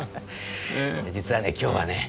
実はね今日はね